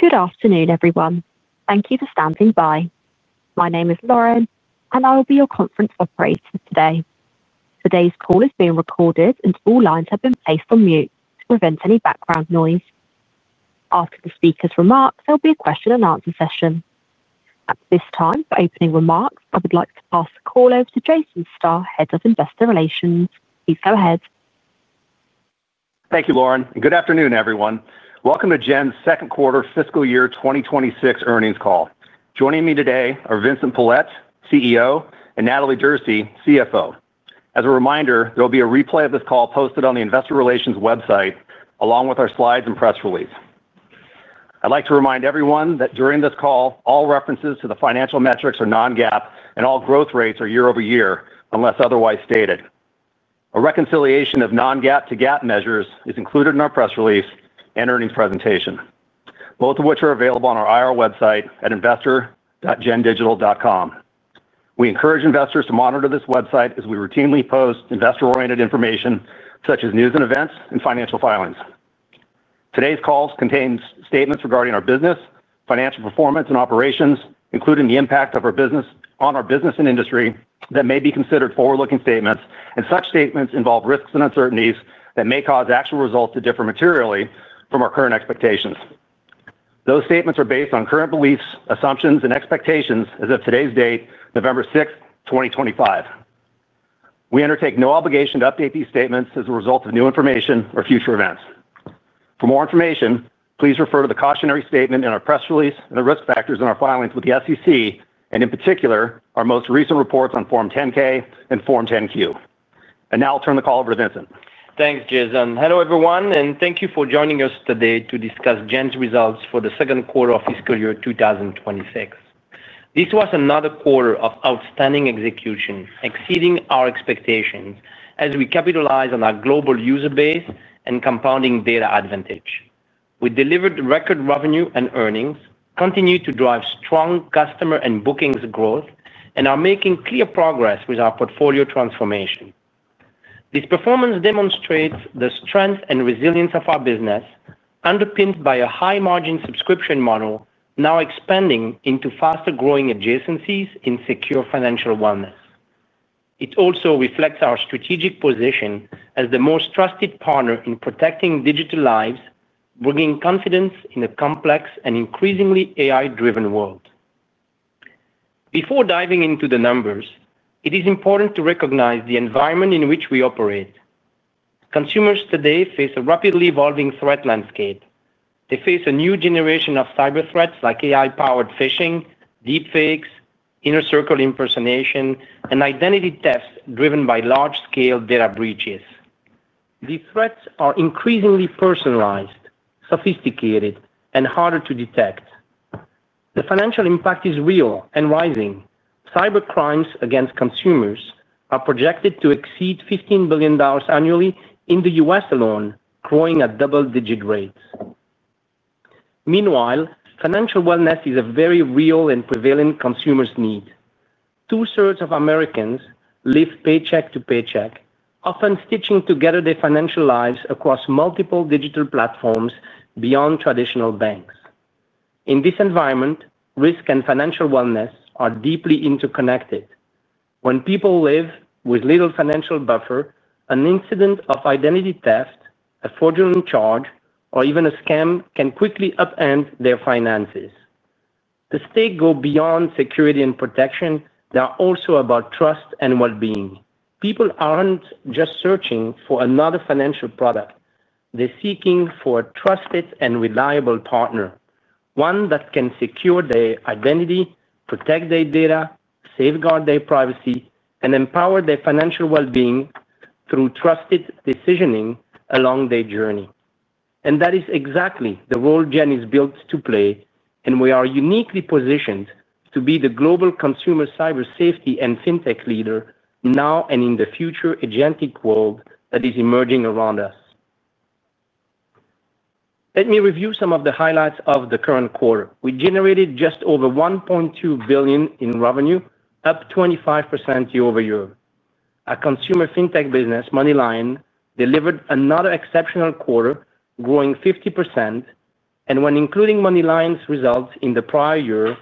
Good afternoon, everyone. Thank you for standing by. My name is Lauren, and I will be your conference operator today. Today's call is being recorded, and all lines have been placed on mute to prevent any background noise. After the speakers' remarks, there will be a question-and-answer session. At this time, for opening remarks, I would like to pass the call over to Jason Starr, Head of Investor Relations. Please go ahead. Thank you, Lauren. Good afternoon, everyone. Welcome to GEN's second-quarter fiscal year 2026 earnings call. Joining me today are Vincent Pilette, CEO, and Natalie Derse, CFO. As a reminder, there will be a replay of this call posted on the Investor Relations website, along with our slides and press release. I'd like to remind everyone that during this call, all references to the financial metrics are non-GAAP, and all growth rates are year-over-year unless otherwise stated. A reconciliation of non-GAAP to GAAP measures is included in our press release and earnings presentation, both of which are available on our IR website at investor.gendigital.com. We encourage investors to monitor this website as we routinely post investor-oriented information such as news and events and financial filings. Today's calls contain statements regarding our business, financial performance, and operations, including the impact of our business on our business and industry that may be considered forward-looking statements, and such statements involve risks and uncertainties that may cause actual results to differ materially from our current expectations. Those statements are based on current beliefs, assumptions, and expectations as of today's date, November 6, 2025. We undertake no obligation to update these statements as a result of new information or future events. For more information, please refer to the cautionary statement in our press release and the risk factors in our filings with the SEC, and in particular, our most recent reports on Form 10-K and Form 10-Q. Now I'll turn the call over to Vincent. Thanks, Jason. Hello, everyone, and thank you for joining us today to discuss GEN's results for the second quarter of fiscal year 2026. This was another quarter of outstanding execution, exceeding our expectations as we capitalized on our global user base and compounding data advantage. We delivered record revenue and earnings, continued to drive strong customer and bookings growth, and are making clear progress with our portfolio transformation. This performance demonstrates the strength and resilience of our business. Underpinned by a high-margin subscription model now expanding into faster-growing adjacencies in secure financial wellness. It also reflects our strategic position as the most trusted partner in protecting digital lives, bringing confidence in a complex and increasingly AI-driven world. Before diving into the numbers, it is important to recognize the environment in which we operate. Consumers today face a rapidly evolving threat landscape. They face a new generation of cyber threats like AI-powered phishing, deepfakes, inner-circle impersonation, and identity thefts driven by large-scale data breaches. These threats are increasingly personalized, sophisticated, and harder to detect. The financial impact is real and rising. Cybercrimes against consumers are projected to exceed $15 billion annually in the U.S. alone, growing at double-digit rates. Meanwhile, financial wellness is a very real and prevalent consumer's need. Two-thirds of Americans live paycheck to paycheck, often stitching together their financial lives across multiple digital platforms beyond traditional banks. In this environment, risk and financial wellness are deeply interconnected. When people live with little financial buffer, an incident of identity theft, a fraudulent charge, or even a scam can quickly upend their finances. To stay go beyond security and protection, they are also about trust and well-being. People aren't just searching for another financial product. They're seeking for a trusted and reliable partner, one that can secure their identity, protect their data, safeguard their privacy, and empower their financial well-being through trusted decisioning along their journey. That is exactly the role Gen Digital is built to play, and we are uniquely positioned to be the global consumer cybersafety and fintech leader now and in the future agentic world that is emerging around us. Let me review some of the highlights of the current quarter. We generated just over $1.2 billion in revenue, up 25% year-over-year. Our consumer fintech business, MoneyLion, delivered another exceptional quarter, growing 50%. When including MoneyLion's results in the prior year,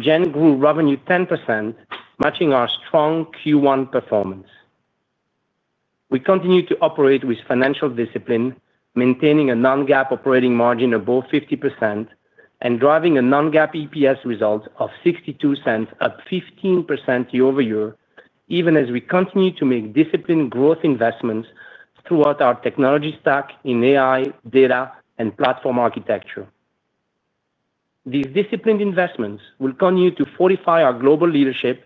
Gen Digital grew revenue 10%, matching our strong Q1 performance. We continue to operate with financial discipline, maintaining a non-GAAP operating margin above 50%, and driving a non-GAAP EPS result of $0.62, up 15% year-over-year, even as we continue to make disciplined growth investments throughout our technology stack in AI, data, and platform architecture. These disciplined investments will continue to fortify our global leadership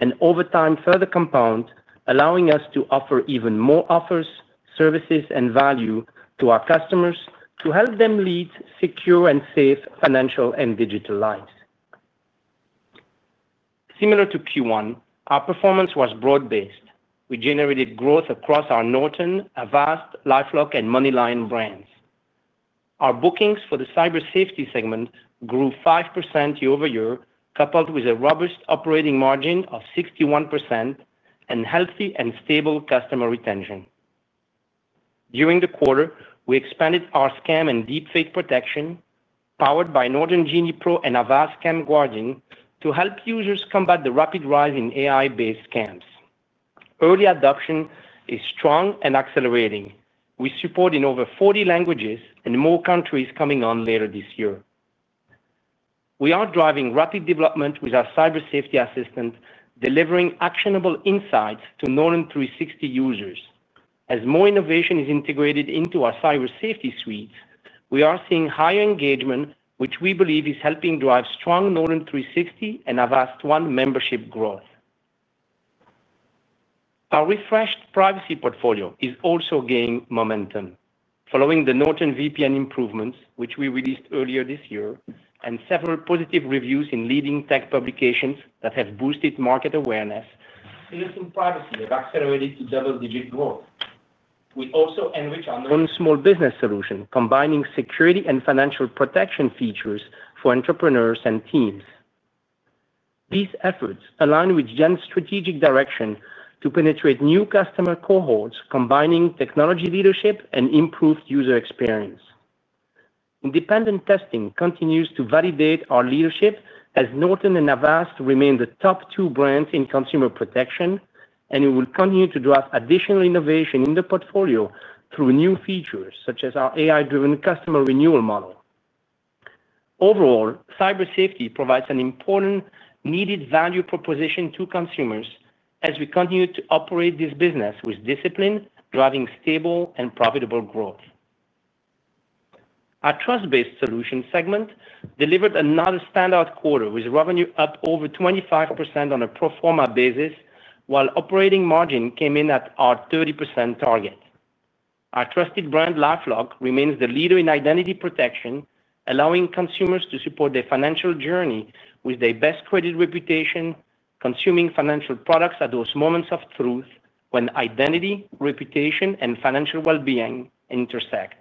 and, over time, further compound, allowing us to offer even more offers, services, and value to our customers to help them lead secure and safe financial and digital lives. Similar to Q1, our performance was broad-based. We generated growth across our Norton, Avast, LifeLock, and MoneyLion brands. Our bookings for the cybersafety segment grew 5% year-over-year, coupled with a robust operating margin of 61% and healthy and stable customer retention. During the quarter, we expanded our scam and deepfake protection, powered by Norton Genie Pro and Avast Scam Guardian to help users combat the rapid rise in AI-based scams. Early adoption is strong and accelerating. We support in over 40 languages and more countries coming on later this year. We are driving rapid development with our cybersafety assistant, delivering actionable insights to Norton 360 users. As more innovation is integrated into our cybersafety suites, we are seeing higher engagement, which we believe is helping drive strong Norton 360 and Avast One membership growth. Our refreshed privacy portfolio is also gaining momentum following the Norton VPN improvements, which we released earlier this year, and several positive reviews in leading tech publications that have boosted market awareness. Innocent privacy has accelerated to double-digit growth. We also enrich our Norton small business solution, combining security and financial protection features for entrepreneurs and teams. These efforts align with GEN's strategic direction to penetrate new customer cohorts, combining technology leadership and improved user experience. Independent testing continues to validate our leadership as Norton and Avast remain the top two brands in consumer protection, and we will continue to drive additional innovation in the portfolio through new features such as our AI-driven customer renewal model. Overall, cybersafety provides an important needed value proposition to consumers as we continue to operate this business with discipline, driving stable and profitable growth. Our trust-based solution segment delivered another standout quarter with revenue up over 25% on a pro forma basis, while operating margin came in at our 30% target. Our trusted brand, LifeLock, remains the leader in identity protection, allowing consumers to support their financial journey with their best-credited reputation, consuming financial products at those moments of truth when identity, reputation, and financial well-being intersect.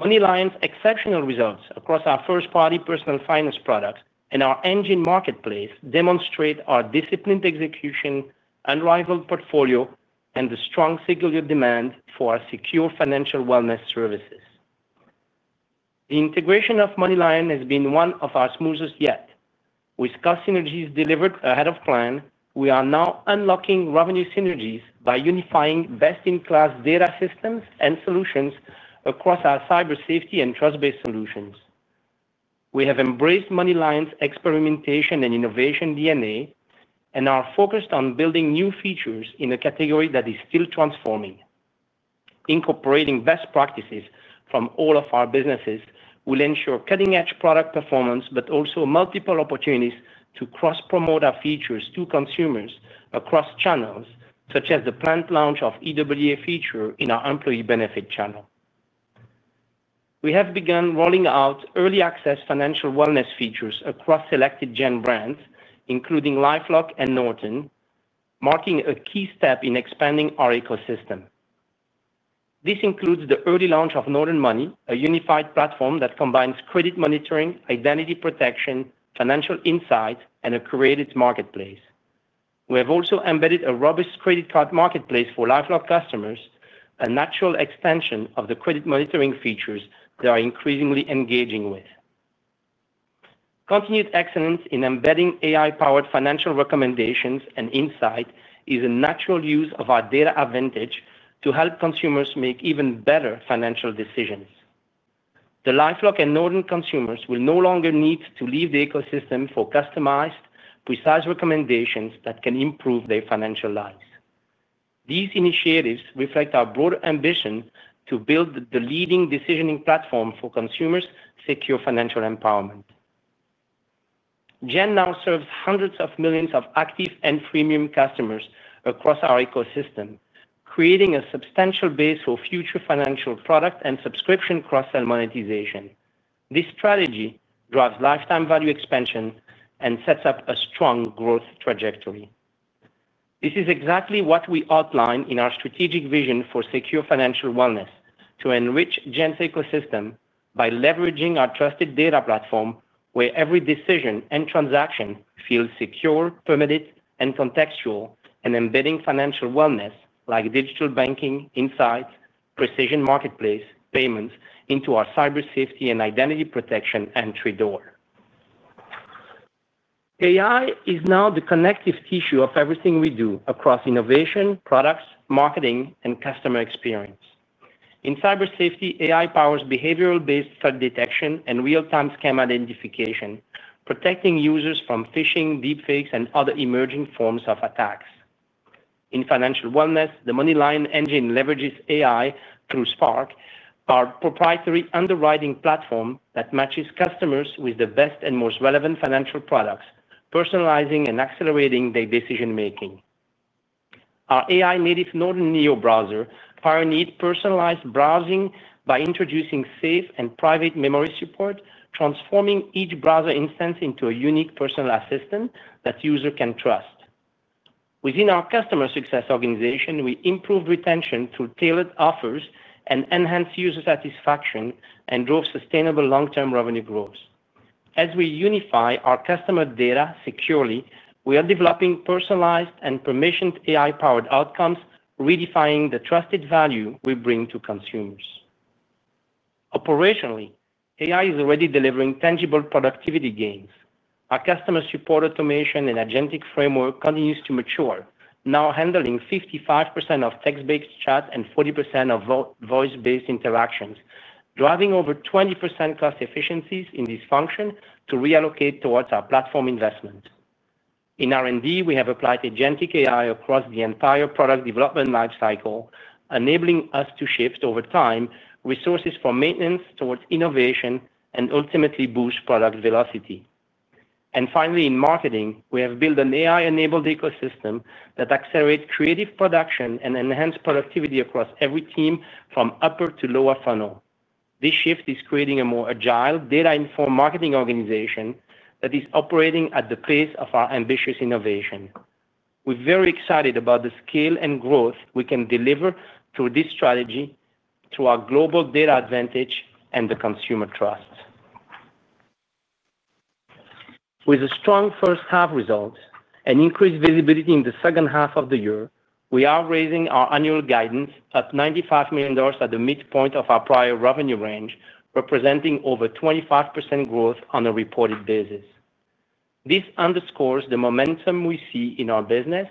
MoneyLion's exceptional results across our first-party personal finance product and our Engine Marketplace demonstrate our disciplined execution, unrivaled portfolio, and the strong secular demand for our secure financial wellness services. The integration of MoneyLion has been one of our smoothest yet. With customer synergies delivered ahead of plan, we are now unlocking revenue synergies by unifying best-in-class data systems and solutions across our cybersafety and trust-based solutions. We have embraced MoneyLion's experimentation and innovation DNA and are focused on building new features in a category that is still transforming. Incorporating best practices from all of our businesses will ensure cutting-edge product performance, but also multiple opportunities to cross-promote our features to consumers across channels, such as the plant launch of EWA feature in our employee benefit channel. We have begun rolling out early-access financial wellness features across selected Gen brands, including LifeLock and Norton, marking a key step in expanding our ecosystem. This includes the early launch of Norton Money, a unified platform that combines credit monitoring, identity protection, financial insight, and a curated marketplace. We have also embedded a robust credit card marketplace for LifeLock customers, a natural extension of the credit monitoring features they are increasingly engaging with. Continued excellence in embedding AI-powered financial recommendations and insight is a natural use of our data advantage to help consumers make even better financial decisions. The LifeLock and Norton consumers will no longer need to leave the ecosystem for customized, precise recommendations that can improve their financial lives. These initiatives reflect our broader ambition to build the leading decisioning platform for consumers' secure financial empowerment. GEN now serves hundreds of millions of active and premium customers across our ecosystem, creating a substantial base for future financial product and subscription cross-sell monetization. This strategy drives lifetime value expansion and sets up a strong growth trajectory. This is exactly what we outline in our strategic vision for secure financial wellness: to enrich GEN's ecosystem by leveraging our trusted data platform, where every decision and transaction feels secure, permitted, and contextual, and embedding financial wellness like digital banking, insights, precision marketplace, payments into our cybersafety and identity protection entry door. AI is now the connective tissue of everything we do across innovation, products, marketing, and customer experience. In cybersafety, AI powers behavioral-based threat detection and real-time scam identification, protecting users from phishing, deepfakes, and other emerging forms of attacks. In financial wellness, the MoneyLion engine leverages AI through Spark, our proprietary underwriting platform that matches customers with the best and most relevant financial products, personalizing and accelerating their decision-making. Our AI-native Norton Neo browser pioneered personalized browsing by introducing safe and private memory support, transforming each browser instance into a unique personal assistant that users can trust. Within our customer success organization, we improved retention through tailored offers and enhanced user satisfaction and drove sustainable long-term revenue growth. As we unify our customer data securely, we are developing personalized and permissioned AI-powered outcomes, redefining the trusted value we bring to consumers. Operationally, AI is already delivering tangible productivity gains. Our customer support automation and agentic framework continues to mature, now handling 55% of text-based chat and 40% of voice-based interactions, driving over 20% cost efficiencies in this function to reallocate towards our platform investment. In R&D, we have applied agentic AI across the entire product development lifecycle, enabling us to shift over time resources for maintenance towards innovation and ultimately boost product velocity. And finally, in marketing, we have built an AI-enabled ecosystem that accelerates creative production and enhances productivity across every team from upper to lower funnel. This shift is creating a more agile, data-informed marketing organization that is operating at the pace of our ambitious innovation. We're very excited about the scale and growth we can deliver through this strategy to our global data advantage and the consumer trust. With a strong first-half result and increased visibility in the second half of the year, we are raising our annual guidance at $95 million at the midpoint of our prior revenue range, representing over 25% growth on a reported basis. This underscores the momentum we see in our business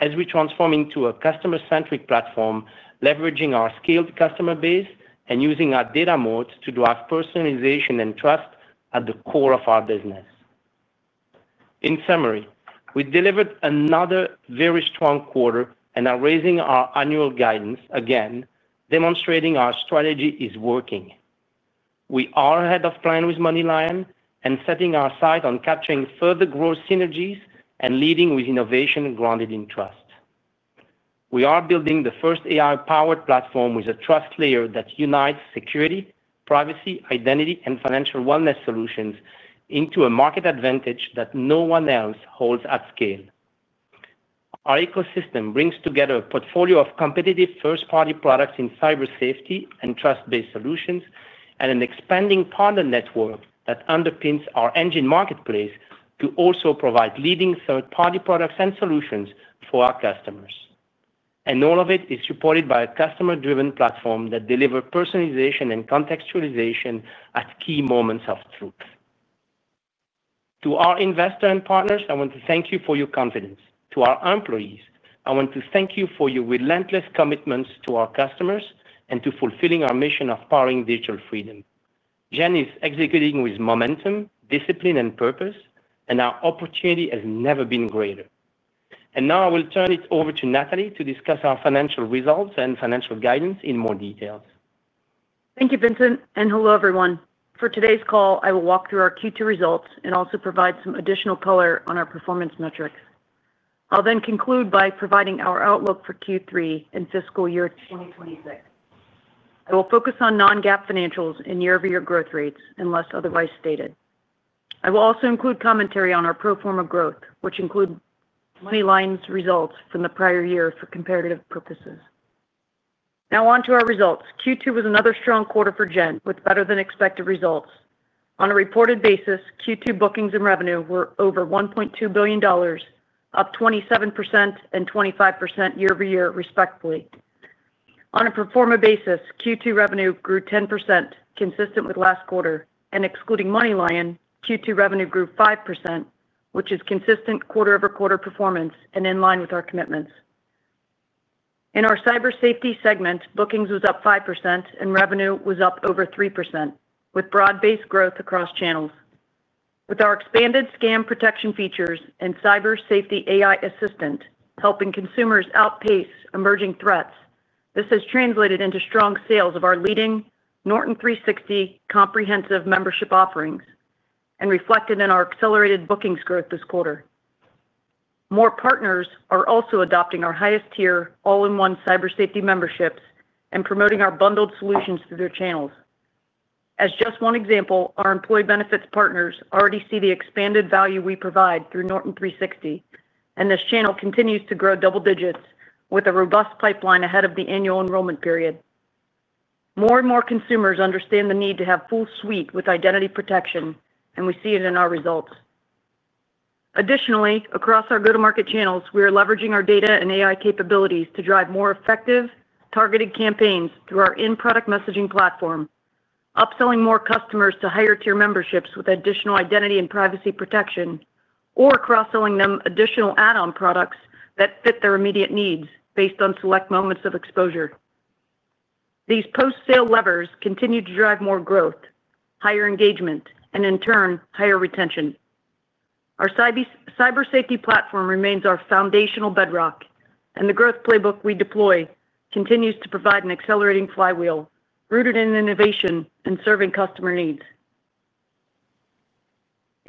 as we transform into a customer-centric platform, leveraging our scaled customer base and using our data mode to drive personalization and trust at the core of our business. In summary, we delivered another very strong quarter and are raising our annual guidance again, demonstrating our strategy is working. We are ahead of plan with MoneyLion and setting our sights on capturing further growth synergies and leading with innovation grounded in trust. We are building the first AI-powered platform with a trust layer that unites security, privacy, identity, and financial wellness solutions into a market advantage that no one else holds at scale. Our ecosystem brings together a portfolio of competitive first-party products in cybersafety and trust-based solutions and an expanding partner network that underpins our engine marketplace to also provide leading third-party products and solutions for our customers. And all of it is supported by a customer-driven platform that delivers personalization and contextualization at key moments of truth. To our investors and partners, I want to thank you for your confidence. To our employees, I want to thank you for your relentless commitments to our customers and to fulfilling our mission of powering digital freedom. GEN is executing with momentum, discipline, and purpose, and our opportunity has never been greater. And now I will turn it over to Natalie to discuss our financial results and financial guidance in more detail. Thank you, Vincent. And hello, everyone. For today's call, I will walk through our Q2 results and also provide some additional color on our performance metrics. I'll then conclude by providing our outlook for Q3 and fiscal year 2026. I will focus on non-GAAP financials and year-over-year growth rates, unless otherwise stated. I will also include commentary on our pro forma growth, which includes MoneyLion's results from the prior year for comparative purposes. Now on to our results. Q2 was another strong quarter for GEN, with better-than-expected results. On a reported basis, Q2 bookings and revenue were over $1.2 billion, up 27% and 25% year-over-year, respectively. On a pro forma basis, Q2 revenue grew 10%, consistent with last quarter. And excluding MoneyLion, Q2 revenue grew 5%, which is consistent quarter-over-quarter performance and in line with our commitments. In our cybersafety segment, bookings were up 5%, and revenue was up over 3%, with broad-based growth across channels. With our expanded scam protection features and cybersafety AI assistant helping consumers outpace emerging threats, this has translated into strong sales of our leading Norton 360 comprehensive membership offerings and reflected in our accelerated bookings growth this quarter. More partners are also adopting our highest-tier all-in-one cybersafety memberships and promoting our bundled solutions through their channels. As just one example, our employee benefits partners already see the expanded value we provide through Norton 360, and this channel continues to grow double digits with a robust pipeline ahead of the annual enrollment period. More and more consumers understand the need to have full suite with identity protection, and we see it in our results. Additionally, across our go-to-market channels, we are leveraging our data and AI capabilities to drive more effective, targeted campaigns through our in-product messaging platform. Upselling more customers to higher-tier memberships with additional identity and privacy protection, or cross-selling them additional add-on products that fit their immediate needs based on select moments of exposure. These post-sale levers continue to drive more growth, higher engagement, and in turn, higher retention. Our cybersafety platform remains our foundational bedrock, and the growth playbook we deploy continues to provide an accelerating flywheel rooted in innovation and serving customer needs.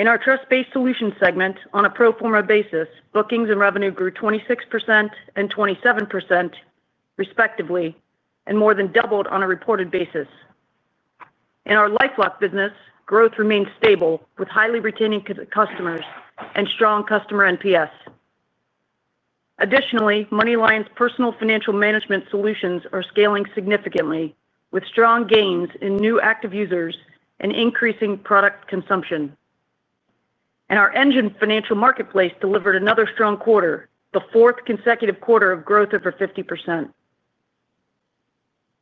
In our trust-based solution segment, on a pro forma basis, bookings and revenue grew 26% and 27%. Respectively, and more than doubled on a reported basis. In our LifeLock business, growth remains stable with highly retaining customers and strong customer NPS. Additionally, MoneyLion's personal financial management solutions are scaling significantly, with strong gains in new active users and increasing product consumption. And our engine financial marketplace delivered another strong quarter, the fourth consecutive quarter of growth of 50%.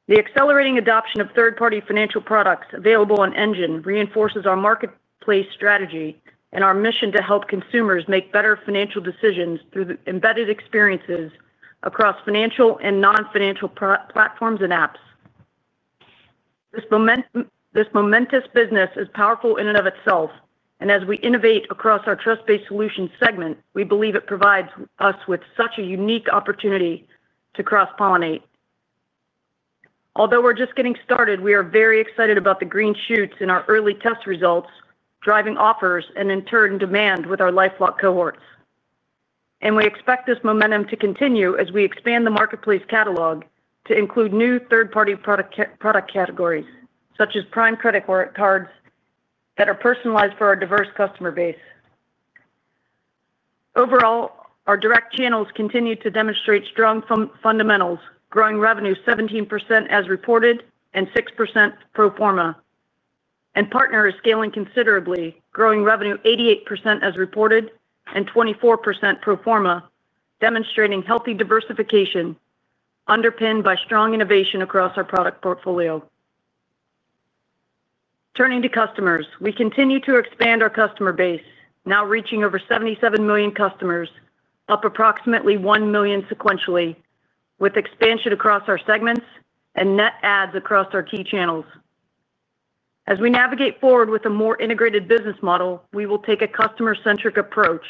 The accelerating adoption of third-party financial products available on engine reinforces our marketplace strategy and our mission to help consumers make better financial decisions through embedded experiences across financial and non-financial platforms and apps. This momentous business is powerful in and of itself, and as we innovate across our trust-based solution segment, we believe it provides us with such a unique opportunity to cross-pollinate. Although we're just getting started, we are very excited about the green shoots in our early test results, driving offers and in turn demand with our LifeLock cohorts. And we expect this momentum to continue as we expand the marketplace catalog to include new third-party product categories, such as Prime Credit cards that are personalized for our diverse customer base. Overall, our direct channels continue to demonstrate strong fundamentals, growing revenue 17% as reported and 6% pro forma. And partner is scaling considerably, growing revenue 88% as reported and 24% pro forma, demonstrating healthy diversification underpinned by strong innovation across our product portfolio. Turning to customers, we continue to expand our customer base, now reaching over 77 million customers, up approximately 1 million sequentially, with expansion across our segments and net adds across our key channels. As we navigate forward with a more integrated business model, we will take a customer-centric approach,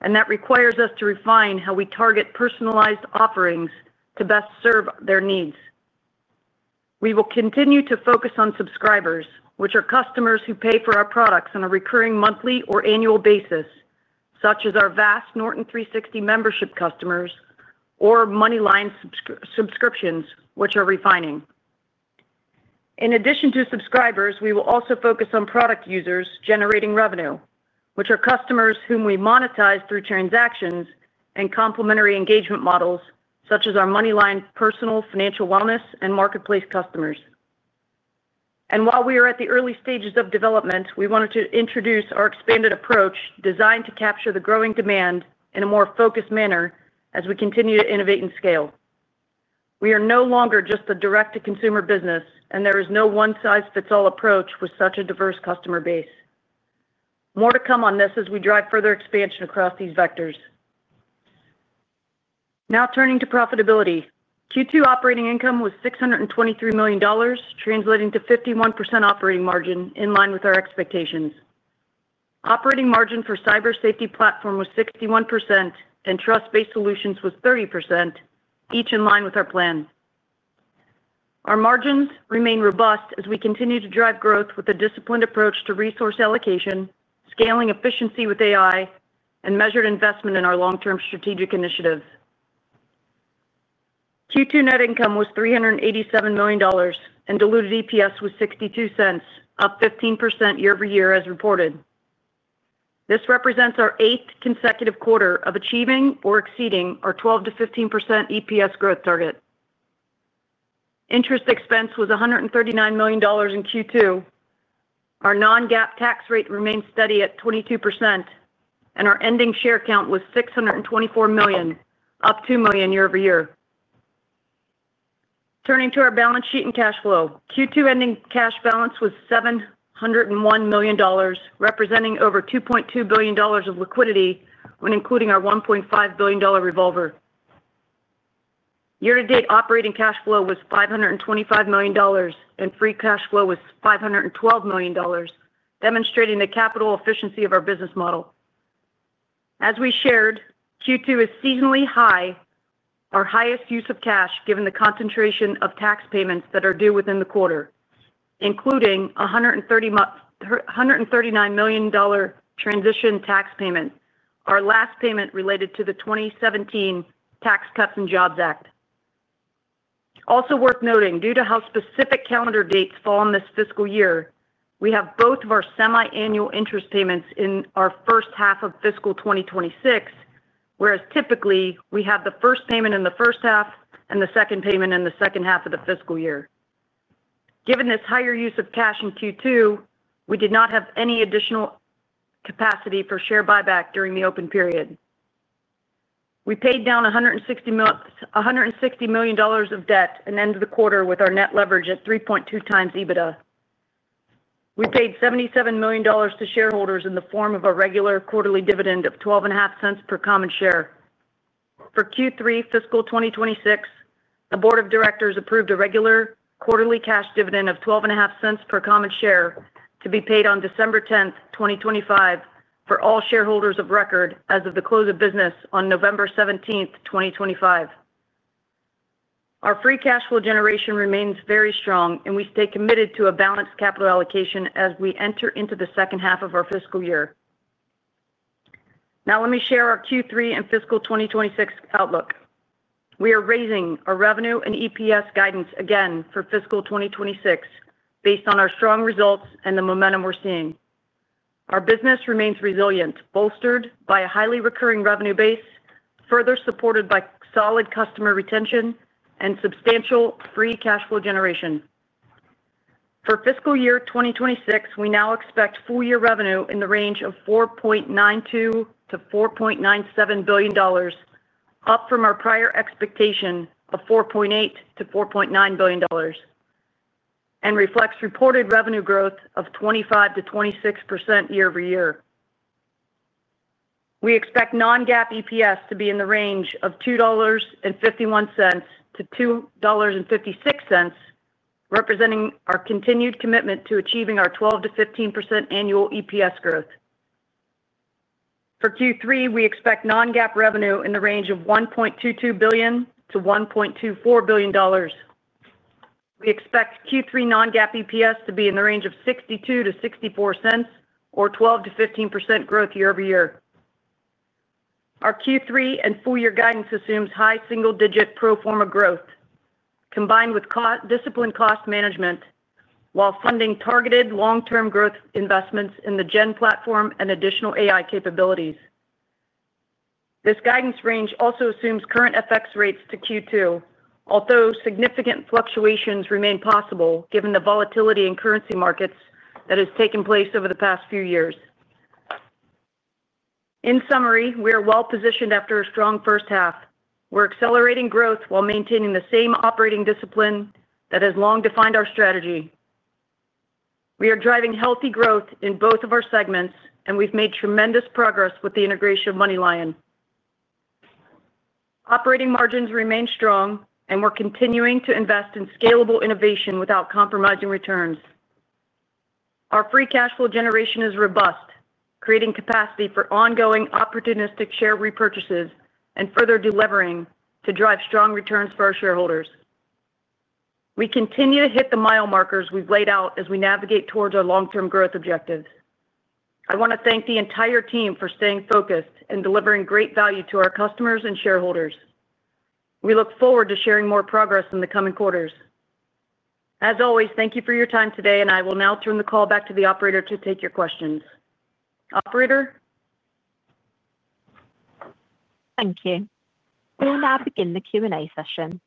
and that requires us to refine how we target personalized offerings to best serve their needs. We will continue to focus on subscribers, which are customers who pay for our products on a recurring monthly or annual basis, such as our vast Norton 360 membership customers or MoneyLion subscriptions, which are refining. In addition to subscribers, we will also focus on product users generating revenue, which are customers whom we monetize through transactions and complementary engagement models, such as our MoneyLion personal financial wellness and marketplace customers. And while we are at the early stages of development, we wanted to introduce our expanded approach designed to capture the growing demand in a more focused manner as we continue to innovate and scale. We are no longer just a direct-to-consumer business, and there is no one-size-fits-all approach with such a diverse customer base. More to come on this as we drive further expansion across these vectors. Now turning to profitability, Q2 operating income was $623 million, translating to 51% operating margin, in line with our expectations. Operating margin for cybersafety platform was 61%, and trust-based solutions was 30%, each in line with our plan. Our margins remain robust as we continue to drive growth with a disciplined approach to resource allocation, scaling efficiency with AI, and measured investment in our long-term strategic initiatives. Q2 net income was $387 million, and diluted EPS was 62 cents, up 15% year-over-year as reported. This represents our eighth consecutive quarter of achieving or exceeding our 12% to 15% EPS growth target. Interest expense was $139 million in Q2. Our non-GAAP tax rate remained steady at 22%. And our ending share count was 624 million, up 2 million year-over-year. Turning to our balance sheet and cash flow, Q2 ending cash balance was $701 million, representing over $2.2 billion of liquidity when including our $1.5 billion revolver. Year-to-date operating cash flow was $525 million, and free cash flow was $512 million, demonstrating the capital efficiency of our business model. As we shared, Q2 is seasonally high. Our highest use of cash, given the concentration of tax payments that are due within the quarter, including a $139 million. Transition tax payment, our last payment related to the 2017 Tax Cuts and Jobs Act. Also worth noting, due to how specific calendar dates fall on this fiscal year, we have both of our semi-annual interest payments in our first half of fiscal 2026, whereas typically we have the first payment in the first half and the second payment in the second half of the fiscal year. Given this higher use of cash in Q2, we did not have any additional. Capacity for share buyback during the open period. We paid down $160. Million of debt at the end of the quarter with our net leverage at 3.2 times EBITDA. We paid $77 million to shareholders in the form of a regular quarterly dividend of 12.5 cents per common share. For Q3 fiscal 2026, the board of directors approved a regular quarterly cash dividend of 12.5 cents per common share to be paid on December 10th, 2025, for all shareholders of record as of the close of business on November 17th, 2025. Our free cash flow generation remains very strong, and we stay committed to a balanced capital allocation as we enter into the second half of our fiscal year. Now let me share our Q3 and fiscal 2026 outlook. We are raising our revenue and EPS guidance again for fiscal 2026 based on our strong results and the momentum we're seeing. Our business remains resilient, bolstered by a highly recurring revenue base, further supported by solid customer retention and substantial free cash flow generation. For fiscal year 2026, we now expect full-year revenue in the range of $4.92 to $4.97 billion. Up from our prior expectation of $4.8 to $4.9 billion. And reflects reported revenue growth of 25% to 26% year-over-year. We expect non-GAAP EPS to be in the range of $2.51 to $2.56. Representing our continued commitment to achieving our 12% to 15% annual EPS growth. For Q3, we expect non-GAAP revenue in the range of $1.22 billion to $1.24 billion. We expect Q3 non-GAAP EPS to be in the range of 62% to 64 cents, or 12% to 15% growth year-over-year. Our Q3 and full-year guidance assumes high single-digit pro forma growth. Combined with disciplined cost management. While funding targeted long-term growth investments in the GEN platform and additional AI capabilities. This guidance range also assumes current FX rates to Q2, although significant fluctuations remain possible given the volatility in currency markets that has taken place over the past few years. In summary, we are well positioned after a strong first half. We're accelerating growth while maintaining the same operating discipline that has long defined our strategy. We are driving healthy growth in both of our segments, and we've made tremendous progress with the integration of MoneyLion. Operating margins remain strong, and we're continuing to invest in scalable innovation without compromising returns. Our free cash flow generation is robust, creating capacity for ongoing opportunistic share repurchases and further delivering to drive strong returns for our shareholders. We continue to hit the mile markers we've laid out as we navigate towards our long-term growth objectives. I want to thank the entire team for staying focused and delivering great value to our customers and shareholders. We look forward to sharing more progress in the coming quarters. As always, thank you for your time today, and I will now turn the call back to the operator to take your questions. Operator. Thank you. We will now begin the Q&A session.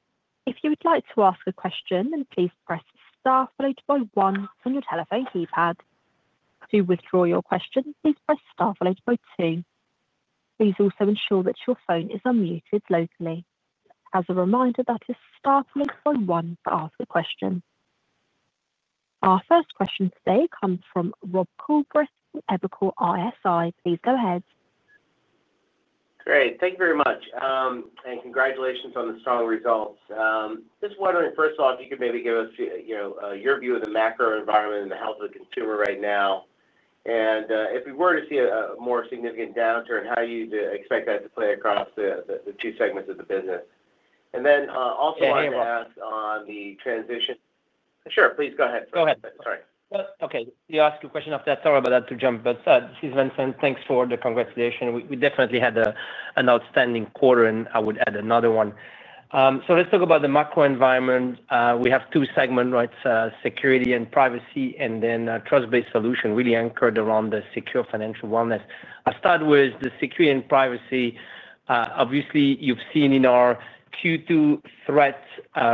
If you would like to ask a question, then please press star followed by one on your telephone keypad. To withdraw your question, please press star followed by two. Please also ensure that your phone is unmuted locally. As a reminder, that is star followed by one to ask a question. Our first question today comes from Robert Ottenstein from Evercore ISI. Please go ahead. Great. Thank you very much. And congratulations on the strong results. Just wondering, first of all, if you could maybe give us your view of the macro environment and the health of the consumer right now. And if we were to see a more significant downturn, how do you expect that to play across the two segments of the business? And then also I have asked on the transition. Sure. Please go ahead. Sorry. Okay. You asked a question after that. Sorry about that, Jim, but this is Vincent. Thanks for the congratulations. We definitely had an outstanding quarter, and I would add another one. So let's talk about the macro environment. We have two segments, right? Security and privacy, and then trust-based solution really anchored around the secure financial wellness. I'll start with the security and privacy. Obviously, you've seen in our Q2 threat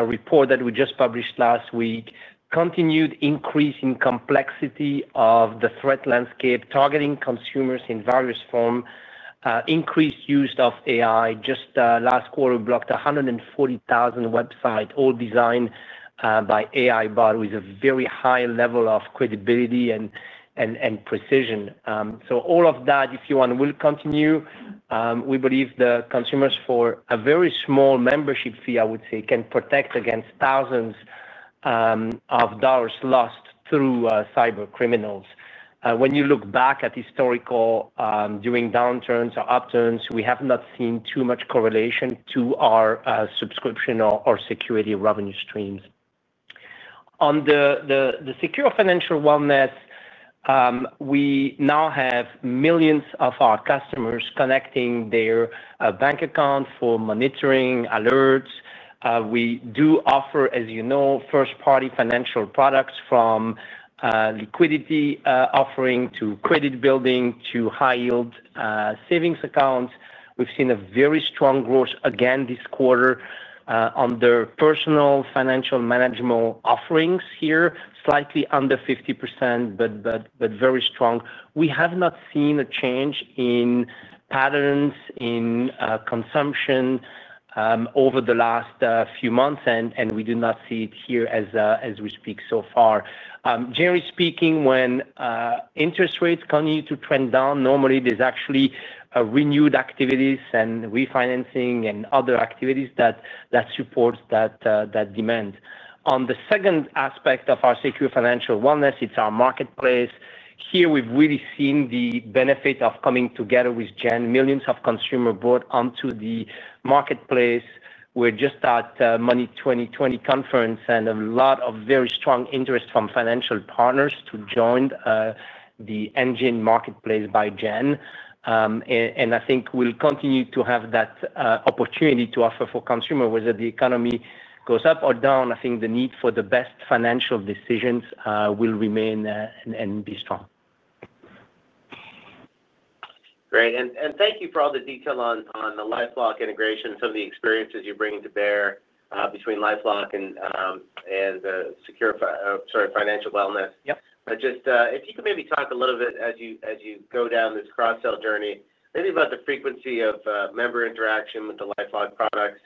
report that we just published last week, continued increase in complexity of the threat landscape, targeting consumers in various forms. Increased use of AI. Just last quarter, we blocked 140,000 websites, all designed by AI, but with a very high level of credibility and precision. So all of that, if you want, will continue. We believe the consumers, for a very small membership fee, I would say, can protect against thousands. Of dollars lost through cybercriminals. When you look back at historical. During downturns or upturns, we have not seen too much correlation to our subscription or security revenue streams. On the secure financial wellness. We now have millions of our customers connecting their bank accounts for monitoring alerts. We do offer, as you know, first-party financial products from. Liquidity offering to credit building to high-yield savings accounts. We've seen a very strong growth again this quarter on their personal financial management offerings here, slightly under 50%, but very strong. We have not seen a change in patterns in consumption. Over the last few months, and we do not see it here as we speak so far. Generally speaking, when. Interest rates continue to trend down, normally there's actually renewed activities and refinancing and other activities that support that demand. On the second aspect of our secure financial wellness, it's our marketplace. Here, we've really seen the benefit of coming together with GEN. Millions of consumers brought onto the marketplace. We're just at the Money20/20 conference, and a lot of very strong interest from financial partners to join the Engine Marketplace by GEN, and I think we'll continue to have that opportunity to offer for consumers. Whether the economy goes up or down, I think the need for the best financial decisions will remain and be strong. Great. And thank you for all the detail on the LifeLock integration, some of the experiences you're bringing to bear between LifeLock and. Secure financial wellness. Just if you could maybe talk a little bit as you go down this cross-sell journey, maybe about the frequency of member interaction with the LifeLock products,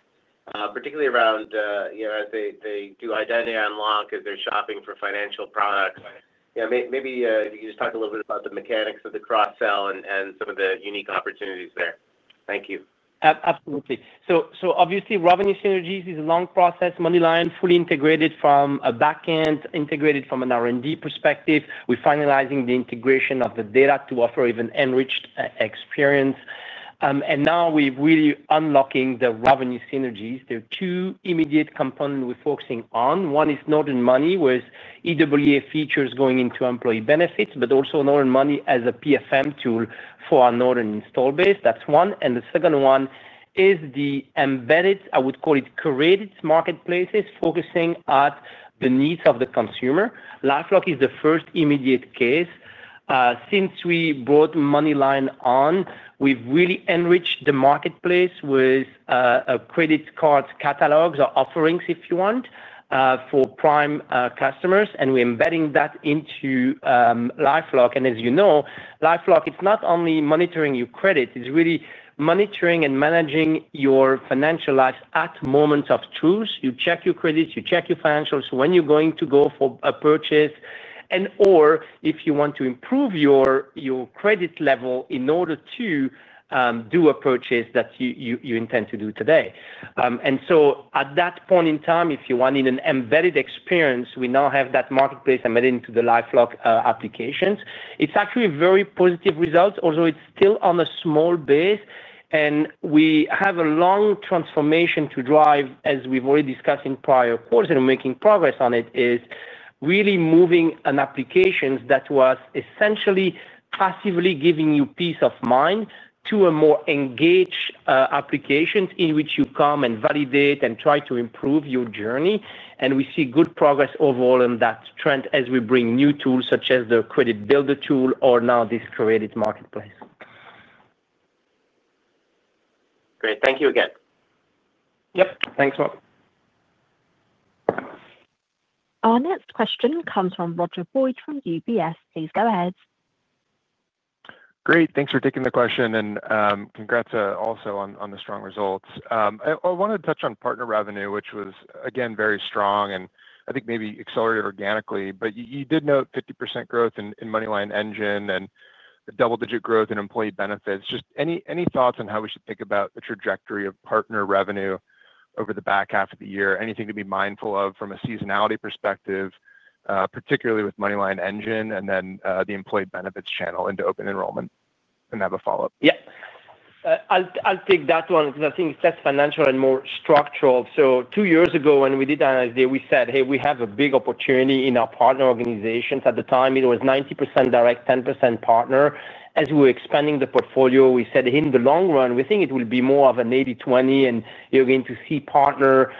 particularly around. As they do identity unlock as they're shopping for financial products. Maybe if you could just talk a little bit about the mechanics of the cross-sell and some of the unique opportunities there. Thank you. Absolutely. So obviously, revenue synergies is a long process. MoneyLion, fully integrated from a backend, integrated from an R&D perspective. We're finalizing the integration of the data to offer even enriched experience. And now we're really unlocking the revenue synergies. There are two immediate components we're focusing on. One is Norton Money, whereas EWA features going into employee benefits, but also Norton Money as a PFM tool for our Norton install base. That's one. And the second one is the embedded, I would call it curated marketplaces, focusing on the needs of the consumer. LifeLock is the first immediate case. Since we brought MoneyLion on, we've really enriched the marketplace with credit card catalogs or offerings, if you want, for prime customers. And we're embedding that into LifeLock. And as you know, LifeLock, it's not only monitoring your credit. It's really monitoring and managing your financial lives at moments of truth. You check your credits. You check your financials when you're going to go for a purchase and/or if you want to improve your credit level in order to. Do a purchase that you intend to do today. And so at that point in time, if you wanted an embedded experience, we now have that marketplace embedded into the LifeLock applications. It's actually very positive results, although it's still on a small base. And we have a long transformation to drive, as we've already discussed in prior quarters and we're making progress on it, is really moving an application that was essentially passively giving you peace of mind to a more engaged application in which you come and validate and try to improve your journey. And we see good progress overall in that trend as we bring new tools such as the Credit Builder tool or now this curated marketplace. Great. Thank you again. Yep. Thanks, Rob. Our next question comes from Roger Boyd from UBS. Please go ahead. Great. Thanks for taking the question and congrats also on the strong results. I wanted to touch on partner revenue, which was, again, very strong and I think maybe accelerated organically. But you did note 50% growth in MoneyLion Engine and double-digit growth in employee benefits. Just any thoughts on how we should think about the trajectory of partner revenue over the back half of the year? Anything to be mindful of from a seasonality perspective, particularly with MoneyLion Engine and then the employee benefits channel into open enrollment? And have a follow-up. Yep. I'll take that one because I think it's less financial and more structural. So two years ago when we did an ISD, we said, "Hey, we have a big opportunity in our partner organizations." At the time, it was 90% direct, 10% partner. As we were expanding the portfolio, we said, "In the long run, we think it will be more of an 80/20, and you're going to see partner.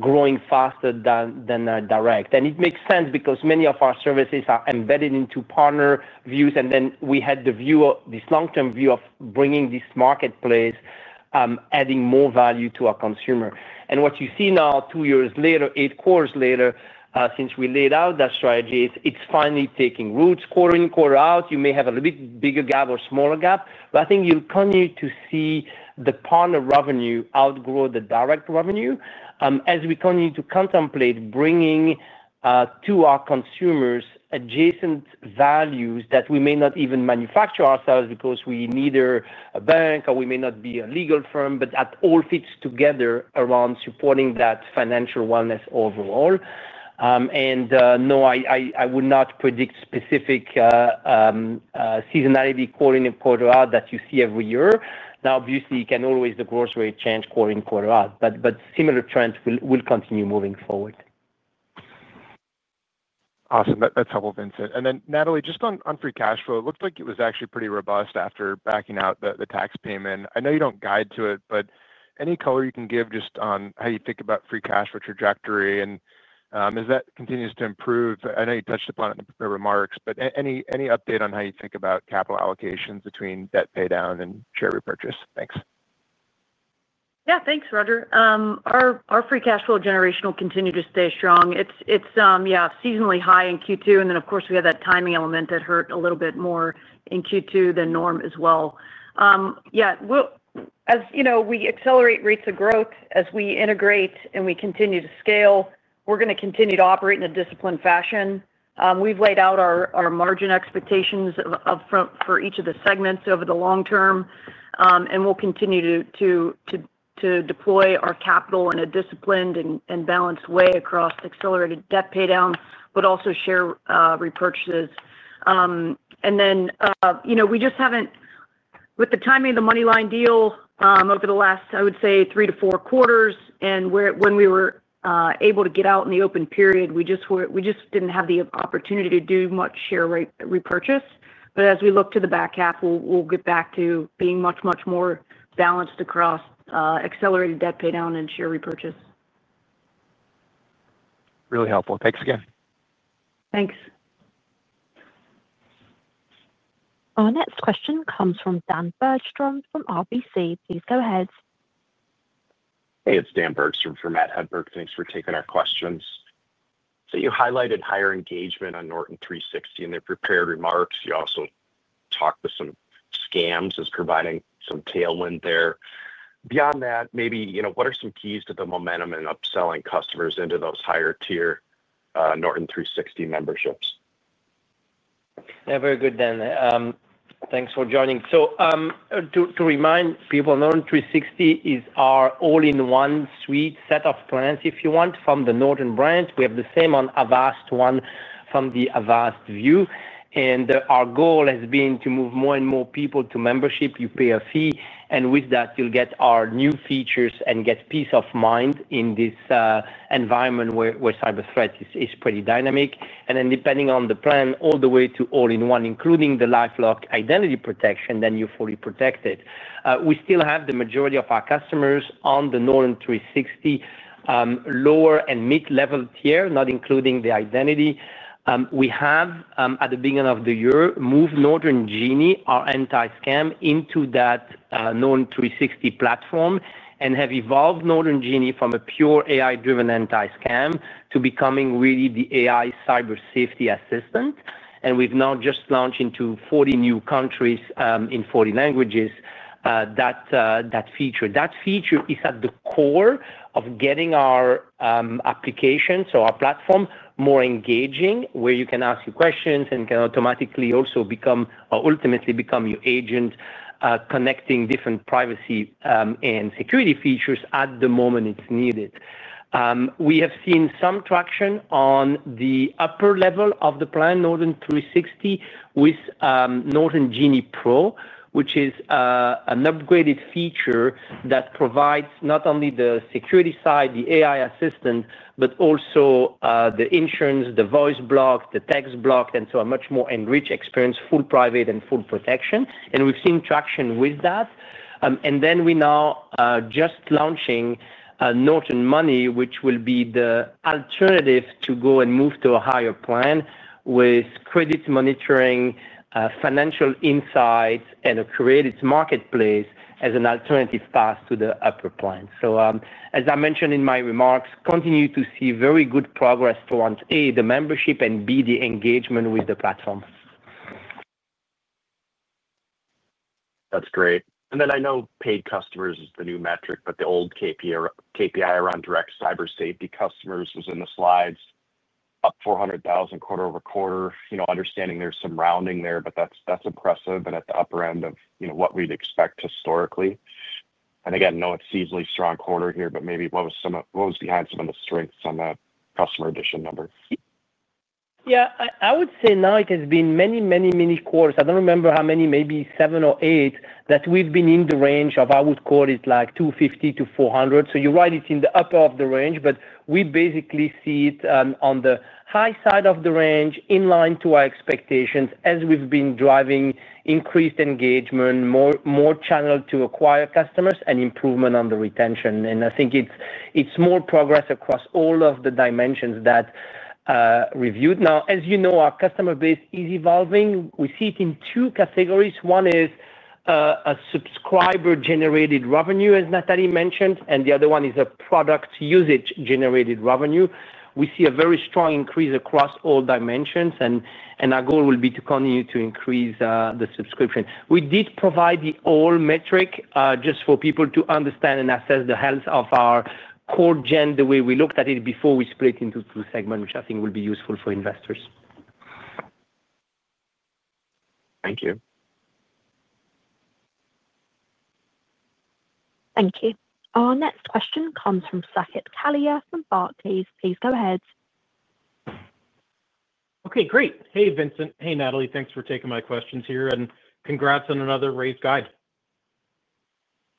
Growing faster than direct." And it makes sense because many of our services are embedded into partner views. And then we had this long-term view of bringing this marketplace, adding more value to our consumer. And what you see now, two years later, eight quarters later, since we laid out that strategy, it's finally taking roots. Quarter in, quarter out, you may have a little bit bigger gap or smaller gap, but I think you'll continue to see the partner revenue outgrow the direct revenue as we continue to contemplate bringing. To our consumers adjacent values that we may not even manufacture ourselves because we neither a bank or we may not be a legal firm, but that all fits together around supporting that financial wellness overall. And no, I would not predict specific. Seasonality quarter in and quarter out that you see every year. Now, obviously, you can always do growth rate change quarter in and quarter out, but similar trends will continue moving forward. Awesome. That's helpful, Vincent. And then, Natalie, just on free cash flow, it looked like it was actually pretty robust after backing out the tax payment. I know you don't guide to it, but any color you can give just on how you think about free cash flow trajectory and as that continues to improve. I know you touched upon it in the remarks, but any update on how you think about capital allocations between debt paydown and share repurchase? Thanks. Yeah. Thanks, Roger. Our free cash flow generation will continue to stay strong. It's, yeah, seasonally high in Q2. And then, of course, we have that timing element that hurt a little bit more in Q2 than norm as well. Yeah. As we accelerate rates of growth, as we integrate and we continue to scale, we're going to continue to operate in a disciplined fashion. We've laid out our margin expectations for each of the segments over the long term, and we'll continue to. Deploy our capital in a disciplined and balanced way across accelerated debt paydown, but also share repurchases. And then. We just haven't, with the timing of the MoneyLion deal over the last, I would say, three to four quarters, and when we were able to get out in the open period, we just didn't have the opportunity to do much share repurchase. But as we look to the back half, we'll get back to being much, much more balanced across accelerated debt paydown and share repurchase. Really helpful. Thanks again. Thanks. Our next question comes from Dan Bergstrom from RBC. Please go ahead. Hey, it's Dan Bergstrom from Matt Hedberg. Thanks for taking our questions. So you highlighted higher engagement on Norton 360 and their prepared remarks. You also talked to some scams as providing some tailwind there. Beyond that, maybe what are some keys to the momentum in upselling customers into those higher-tier Norton 360 memberships? Yeah. Very good, Dan. Thanks for joining. To remind people, Norton 360 is our all-in-one suite set of plans, if you want, from the Norton brand. We have the same on Avast, one from the Avast view. Our goal has been to move more and more people to membership. You pay a fee, and with that, you'll get our new features and get peace of mind in this environment where cyber threat is pretty dynamic. Then depending on the plan, all the way to all-in-one, including the LifeLock identity protection, you're fully protected. We still have the majority of our customers on the Norton 360 lower and mid-level tier, not including the identity. We have, at the beginning of the year, moved Norton Genie, our anti-scam, into that Norton 360 platform and have evolved Norton Genie from a pure AI-driven anti-scam to becoming really the AI cybersafety assistant. We have now just launched into 40 new countries in 40 languages that feature. That feature is at the core of getting our application, so our platform, more engaging, where you can ask your questions and can automatically also ultimately become your agent, connecting different privacy and security features at the moment it's needed. We have seen some traction on the upper level of the plan, Norton 360, with Norton Genie Pro, which is an upgraded feature that provides not only the security side, the AI assistant, but also the insurance, the voice block, the text block, and a much more enriched experience, full private and full protection. We have seen traction with that. And then we now are just launching Norton Money, which will be the alternative to go and move to a higher plan with credit monitoring, financial insights, and a curated marketplace as an alternative path to the upper plan. So, as I mentioned in my remarks, continue to see very good progress towards, A, the membership and, B, the engagement with the platform. That's great. And then I know paid customers is the new metric, but the old KPI around direct cybersafety customers was in the slides, up 400,000 quarter over quarter, understanding there's some rounding there, but that's impressive and at the upper end of what we'd expect historically. And again, no, it's easily a strong quarter here, but maybe what was behind some of the strengths on the customer addition number? Yeah. I would say now it has been many, many, many quarters. I don't remember how many, maybe seven or eight, that we've been in the range of, I would call it like 250 to 400. So you're right, it's in the upper of the range, but we basically see it on the high side of the range in line to our expectations as we've been driving increased engagement, more channel to acquire customers, and improvement on the retention. And I think it's more progress across all of the dimensions that. Reviewed. Now, as you know, our customer base is evolving. We see it in two categories. One is. A subscriber-generated revenue, as Natalie mentioned, and the other one is a product usage-generated revenue. We see a very strong increase across all dimensions, and our goal will be to continue to increase the subscription. We did provide the all metric just for people to understand and assess the health of our core gen, the way we looked at it before we split into two segments, which I think will be useful for investors. Thank you. Thank you. Our next question comes from Saket Kalia from Barclays. Please go ahead. Okay. Great. Hey, Vincent. Hey, Natalie. Thanks for taking my questions here. And congrats on another raised guide.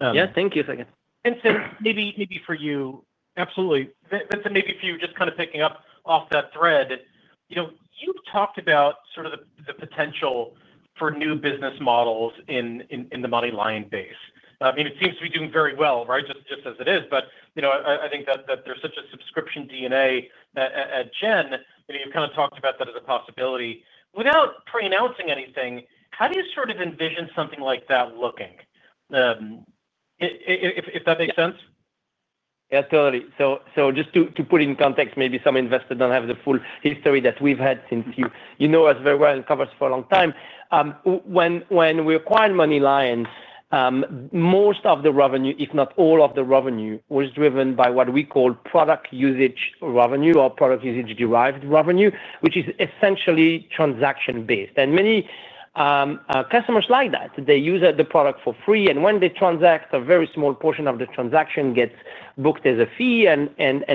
Yeah. Thank you. Vincent, maybe for you. Absolutely. Vincent, maybe for you, just kind of picking up off that thread. You have talked about sort of the potential for new business models in the MoneyLion base. I mean, it seems to be doing very well, right, just as it is. I think that there is such a subscription DNA at Gen. You have kind of talked about that as a possibility. Without pre-announcing anything, how do you sort of envision something like that looking? If that makes sense. Yeah, totally. So just to put it in context, maybe some investors don't have the full history that we've had since you know us very well and cover us for a long time. When we acquired MoneyLion. Most of the revenue, if not all of the revenue, was driven by what we call product usage revenue or product usage-derived revenue, which is essentially transaction-based. And many. Customers like that. They use the product for free. And when they transact, a very small portion of the transaction gets booked as a fee, and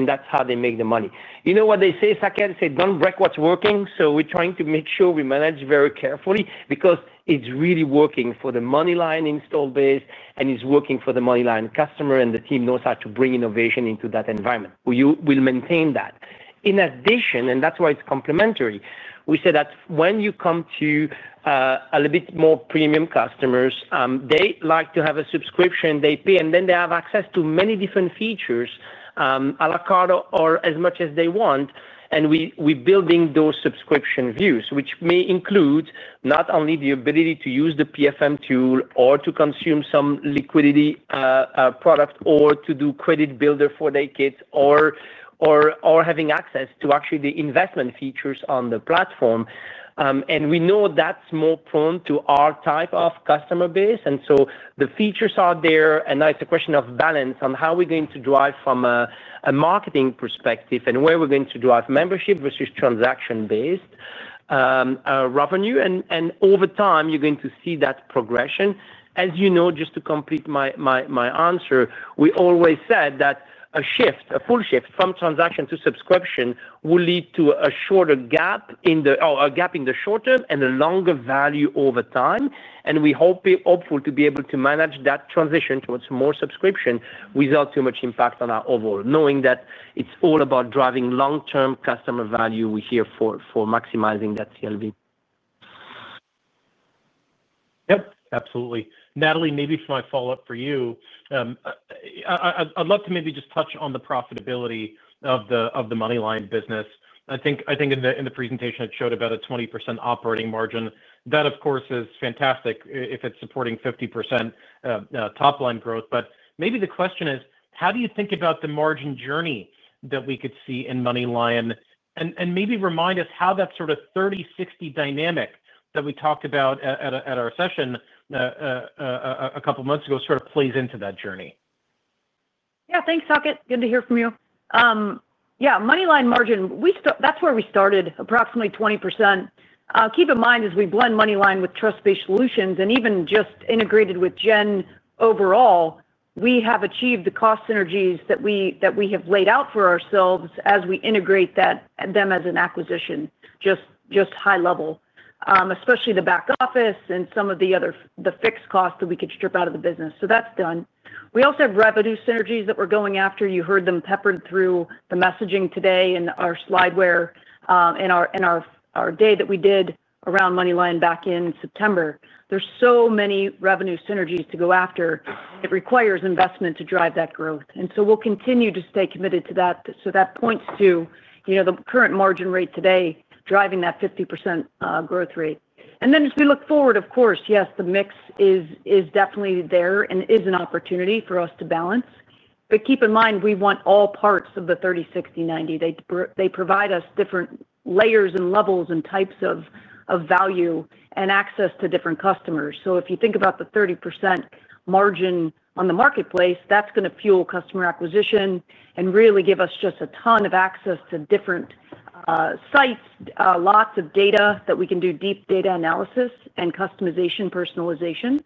that's how they make the money. You know what they say, Saket? They say, "Don't break what's working." So we're trying to make sure we manage very carefully because it's really working for the MoneyLion install base, and it's working for the MoneyLion customer, and the team knows how to bring innovation into that environment. We will maintain that. In addition, and that's why it's complementary, we say that when you come to. A little bit more premium customers, they like to have a subscription. They pay, and then they have access to many different features. À la carte or as much as they want. And we're building those subscription views, which may include not only the ability to use the PFM tool or to consume some liquidity product or to do Credit Builder for their kids or. Having access to actually the investment features on the platform. And we know that's more prone to our type of customer base. And so the features are there. And now it's a question of balance on how we're going to drive from a marketing perspective and where we're going to drive membership versus transaction-based. Revenue. And over time, you're going to see that progression. As you know, just to complete my answer, we always said that a shift, a full shift from transaction to subscription will lead to a shorter gap in the short term and a longer value over time. And we're hopeful to be able to manage that transition towards more subscription without too much impact on our overall, knowing that it's all about driving long-term customer value here for maximizing that CLV. Yep. Absolutely. Natalie, maybe for my follow-up for you. I'd love to maybe just touch on the profitability of the MoneyLion business. I think in the presentation, it showed about a 20% operating margin. That, of course, is fantastic if it's supporting 50%. Top-line growth. But maybe the question is, how do you think about the margin journey that we could see in MoneyLion and maybe remind us how that sort of 30/60 dynamic that we talked about at our session. A couple of months ago sort of plays into that journey? Yeah. Thanks, Saket. Good to hear from you. Yeah. MoneyLion margin, that's where we started, approximately 20%. Keep in mind, as we blend MoneyLion with TrustBase Solutions and even just integrated with Gen overall, we have achieved the cost synergies that we have laid out for ourselves as we integrate them as an acquisition, just high level, especially the back office and some of the fixed costs that we could strip out of the business. That's done. We also have revenue synergies that we're going after. You heard them peppered through the messaging today in our slide and our day that we did around MoneyLion back in September. There are so many revenue synergies to go after. It requires investment to drive that growth. We'll continue to stay committed to that. That points to the current margin rate today driving that 50% growth rate. And then as we look forward, of course, yes, the mix is definitely there and is an opportunity for us to balance. But keep in mind, we want all parts of the 30/60/90. They provide us different layers and levels and types of value and access to different customers. So if you think about the 30% margin on the marketplace, that's going to fuel customer acquisition and really give us just a ton of access to different sites, lots of data that we can do deep data analysis and customization, personalization.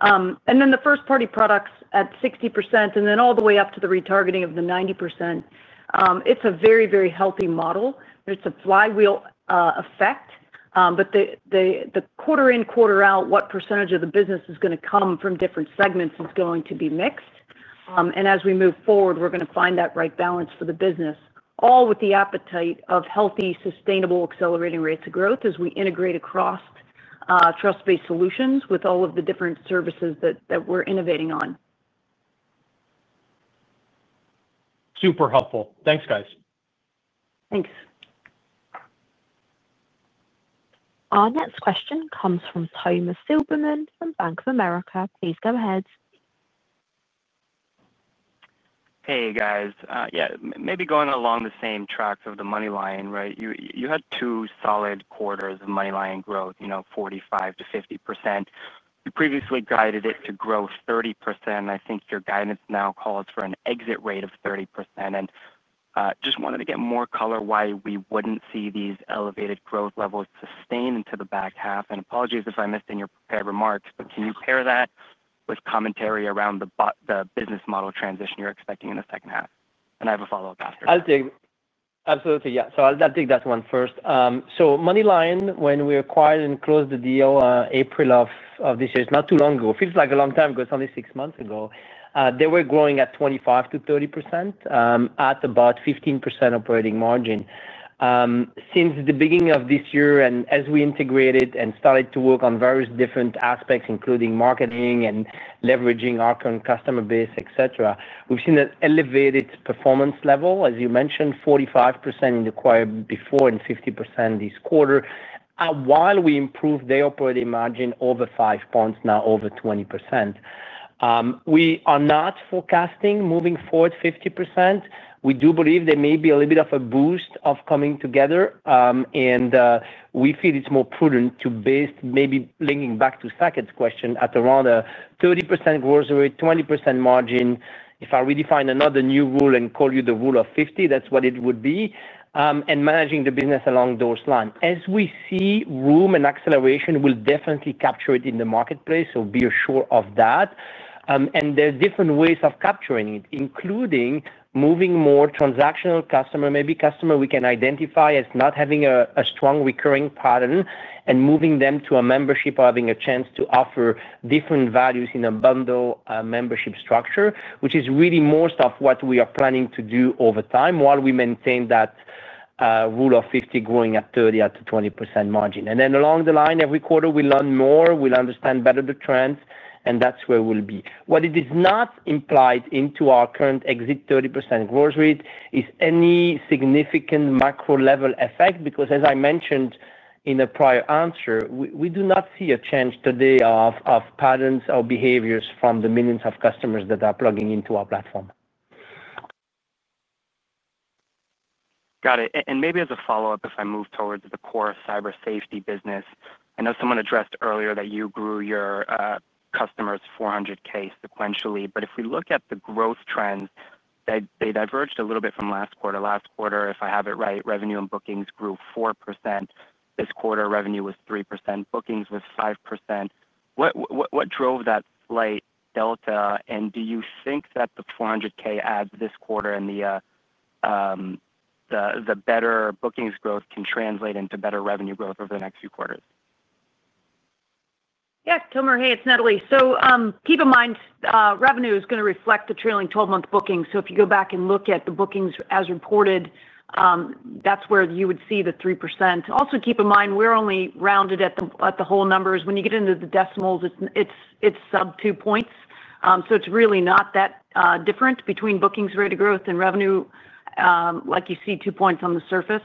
And then the first-party products at 60% and then all the way up to the retargeting of the 90%. It's a very, very healthy model. It's a flywheel effect. But the quarter in, quarter out, what percentage of the business is going to come from different segments is going to be mixed. And as we move forward, we're going to find that right balance for the business, all with the appetite of healthy, sustainable, accelerating rates of growth as we integrate across. TrustBase Solutions with all of the different services that we're innovating on. Super helpful. Thanks, guys. Thanks. Our next question comes from Tomer Zilberman from Bank of America. Please go ahead. Hey, guys. Yeah. Maybe going along the same track of the MoneyLion, right? You had two solid quarters of MoneyLion growth, 45 to 50 percent. You previously guided it to grow 30%. I think your guidance now calls for an exit rate of 30%. And just wanted to get more color why we wouldn't see these elevated growth levels sustain into the back half. And apologies if I missed in your prepared remarks, but can you pair that with commentary around the business model transition you're expecting in the second half? And I have a follow-up after. Absolutely. Yeah. So I'll take that one first. So MoneyLion, when we acquired and closed the deal in April of this year, it's not too long ago. It feels like a long time ago, it's only six months ago. They were growing at 25 to 30 percent at about 15% operating margin. Since the beginning of this year and as we integrated and started to work on various different aspects, including marketing and leveraging our current customer base, etc., we've seen an elevated performance level, as you mentioned, 45% in the quarter before and 50% this quarter, while we improved their operating margin over five points, now over 20%. We are not forecasting moving forward 50%. We do believe there may be a little bit of a boost of coming together. And we feel it's more prudent to base, maybe linking back to Saket's question, at around a 30% growth rate, 20% margin. If I redefine another new rule and call you the rule of 50, that's what it would be, and managing the business along those lines. As we see room and acceleration, we'll definitely capture it in the marketplace. So be assured of that. And there are different ways of capturing it, including moving more transactional customers, maybe customers we can identify as not having a strong recurring pattern, and moving them to a membership or having a chance to offer different values in a bundle membership structure, which is really most of what we are planning to do over time while we maintain that. Rule of 50, growing at 30, up to 20% margin. And then along the line, every quarter, we learn more, we'll understand better the trends, and that's where we'll be. What it is not implied into our current exit 30% growth rate is any significant macro-level effect because, as I mentioned in a prior answer, we do not see a change today of patterns or behaviors from the millions of customers that are plugging into our platform. Got it. And maybe as a follow-up, if I move towards the core cybersafety business, I know someone addressed earlier that you grew your customers 400K sequentially. But if we look at the growth trends, they diverged a little bit from last quarter. Last quarter, if I have it right, revenue and bookings grew 4%. This quarter, revenue was 3%. Bookings was 5%. What drove that slight delta? And do you think that the 400K adds this quarter and the. Better bookings growth can translate into better revenue growth over the next few quarters? Yes, Tomer. Hey, it's Natalie. Keep in mind, revenue is going to reflect the trailing 12-month bookings. If you go back and look at the bookings as reported. That's where you would see the 3%. Also, keep in mind, we're only rounded at the whole numbers. When you get into the decimals, it's sub two points. It's really not that different between bookings rate of growth and revenue, like you see two points on the surface.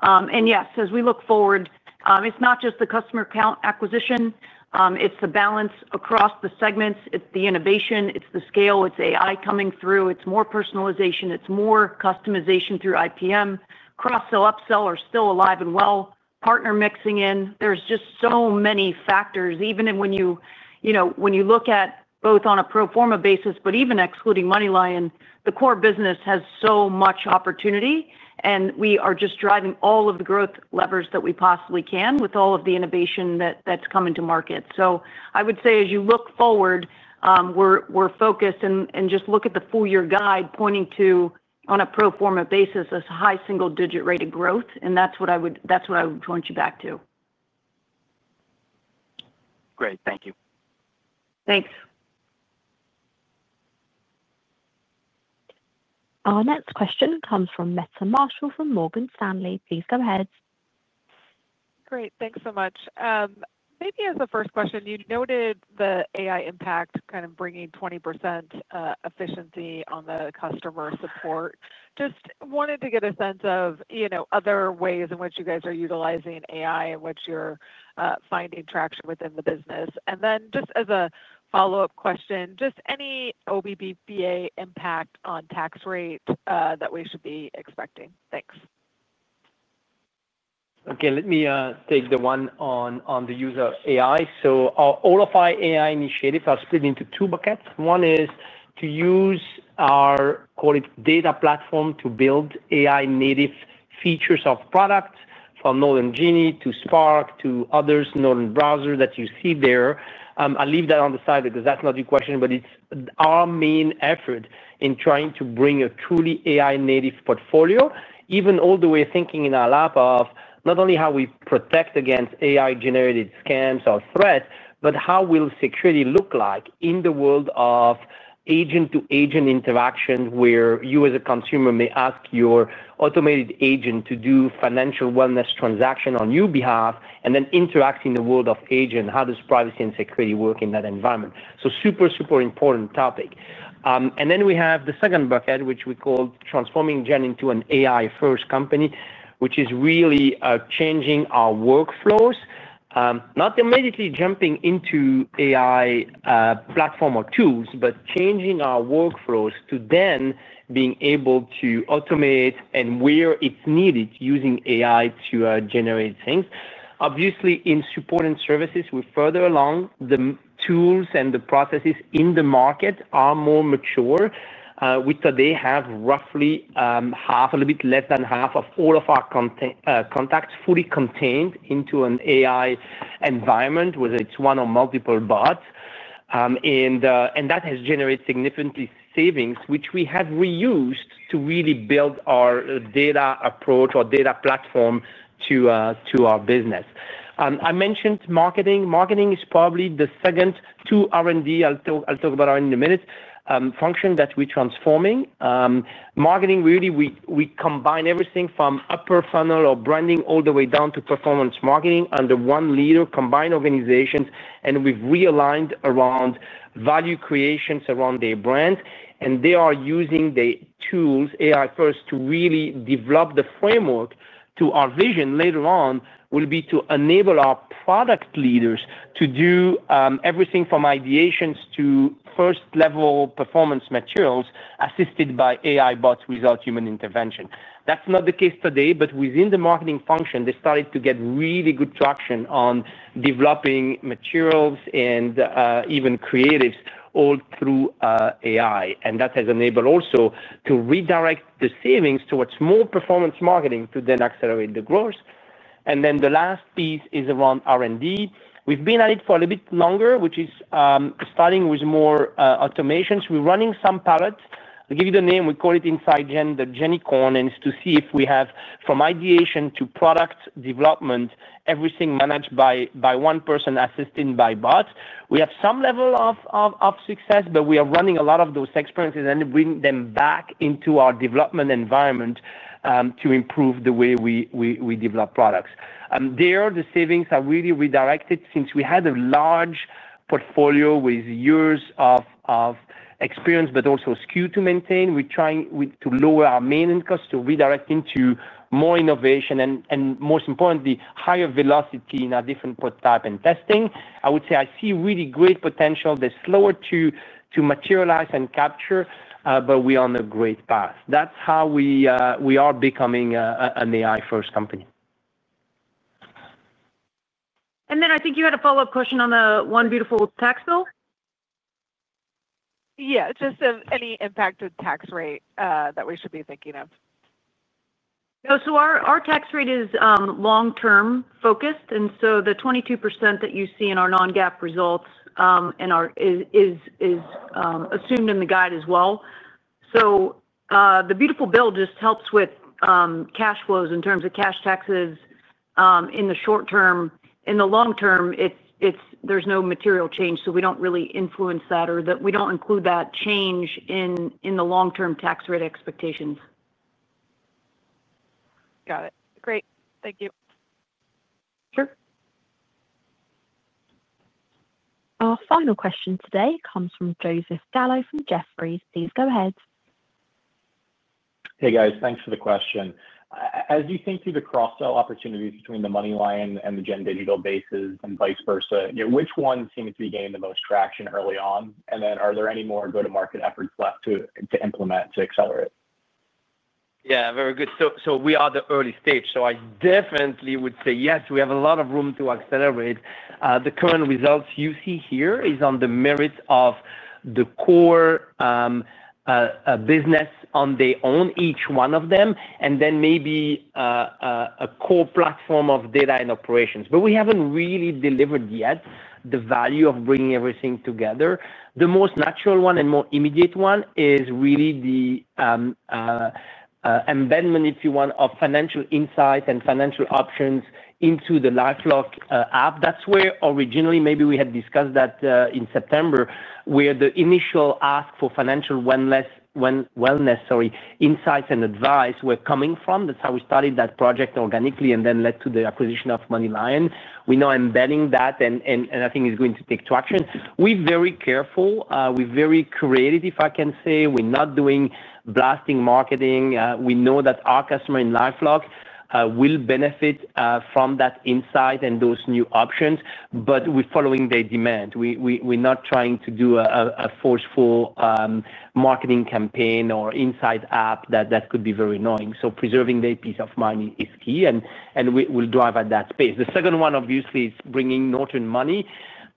And yes, as we look forward, it's not just the customer acquisition. It's the balance across the segments. It's the innovation. It's the scale. It's AI coming through. It's more personalization. It's more customization through IPM. Cross-sell, upsell are still alive and well. Partner mixing in. There's just so many factors. Even when you. Look at both on a pro forma basis, but even excluding MoneyLion, the core business has so much opportunity. And we are just driving all of the growth levers that we possibly can with all of the innovation that's come into market. So I would say, as you look forward. We're focused and just look at the full-year guide pointing to, on a pro forma basis, a high single-digit rate of growth. And that's what I would that's what I would point you back to. Great. Thank you. Thanks. Our next question comes from Meta Marshall from Morgan Stanley. Please go ahead. Great. Thanks so much. Maybe as a first question, you noted the AI impact kind of bringing 20% efficiency on the customer support. Just wanted to get a sense of. Other ways in which you guys are utilizing AI in which you're finding traction within the business. And then just as a follow-up question, just any OBBA impact on tax rate that we should be expecting? Thanks. Okay. Let me take the one on the use of AI. So all of our AI initiatives are split into two buckets. One is to use our call it data platform to build AI-native features of products from Norton Genie to Spark to others, Norton browser that you see there. I'll leave that on the side because that's not your question, but it's our main effort in trying to bring a truly AI-native portfolio, even all the way thinking in our lab of not only how we protect against AI-generated scams or threats, but how will security look like in the world of agent-to-agent interactions where you, as a consumer, may ask your automated agent to do financial wellness transactions on your behalf and then interact in the world of agent. How does privacy and security work in that environment? So super, super important topic. And then we have the second bucket, which we call transforming Gen into an AI-first company, which is really changing our workflows, not immediately jumping into AI. Platform or tools, but changing our workflows to then being able to automate and where it's needed using AI to generate things. Obviously, in support and services, we're further along. The tools and the processes in the market are more mature, which they have roughly half, a little bit less than half of all of our contacts fully contained into an AI environment whether it's one or multiple bots. And that has generated significant savings, which we have reused to really build our data approach or data platform to. Our business. I mentioned marketing. Marketing is probably the second to R&D. I'll talk about R&D in a minute, function that we're transforming. Marketing, really, we combine everything from upper funnel or branding all the way down to performance marketing under one leader, combined organizations. And we've realigned around value creations around their brand. And they are using the tools, AI-first, to really develop the framework to our vision later on will be to enable our product leaders to do everything from ideations to first-level performance materials assisted by AI bots without human intervention. That's not the case today, but within the marketing function, they started to get really good traction on developing materials and even creatives all through AI. And that has enabled also to redirect the savings towards more performance marketing to then accelerate the growth. And then the last piece is around R&D. We've been at it for a little bit longer, which is starting with more automations. We're running some pilots. I'll give you the name. We call it Inside Gen, the Genny Corn, and it's to see if we have from ideation to product development, everything managed by one person assisted by bots. We have some level of success, but we are running a lot of those experiences and bringing them back into our development environment to improve the way we develop products. There, the savings are really redirected since we had a large portfolio with years of. Experience, but also skew to maintain. We're trying to lower our maintenance costs to redirect into more innovation and, most importantly, higher velocity in our different prototypes and testing. I would say I see really great potential. They're slower to. Materialize and capture, but we are on a great path. That's how we are becoming an AI-first company. And then I think you had a follow-up question on the one beautiful tax bill? Yeah. Just any impacted tax rate that we should be thinking of. So our tax rate is long-term focused. And so the 22% that you see in our non-GAAP results. Is assumed in the guide as well. So. The beautiful bill just helps with. Cash flows in terms of cash taxes. In the short term. In the long term, there's no material change. So we don't really influence that or we don't include that change in the long-term tax rate expectations. Got it. Great. Thank you. Sure. Our final question today comes from Joseph Gallo from Jefferies. Please go ahead. Hey, guys. Thanks for the question. As you think through the cross-sell opportunities between the MoneyLion and the Gen Digital bases and vice versa, which one seems to be gaining the most traction early on? And then are there any more go-to-market efforts left to implement to accelerate? Yeah. Very good. So we are at the early stage. So I definitely would say yes, we have a lot of room to accelerate. The current results you see here are on the merits of the core. Business on their own, each one of them, and then maybe. A core platform of data and operations. But we haven't really delivered yet the value of bringing everything together. The most natural one and more immediate one is really the eddmbeddment, if you want, of financial insights and financial options into the LifeLock app. That's where originally maybe we had discussed that in September, where the initial ask for financial wellness. Insights and advice were coming from. That's how we started that project organically and then led to the acquisition of MoneyLion. We now are embedding that, and I think it's going to take traction. We're very careful. We're very creative, if I can say. We're not doing blasting marketing. We know that our customer in LifeLock will benefit from that insight and those new options, but we're following their demand. We're not trying to do a forceful. Marketing campaign or inside app that could be very annoying. So preserving their peace of mind is key, and we'll drive at that space. The second one, obviously, is bringing Norton